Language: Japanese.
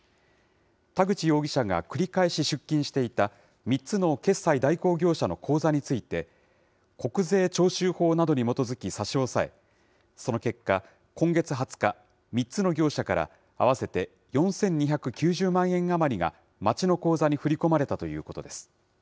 田口容疑者が繰り返し出金していた３つの決済代行業者の口座について、国税徴収法などに基づき差し押さえ、その結果、今月２０日、３つの業者から、合わせて４２９０万円余りが、町の口座に振り込まれたということです。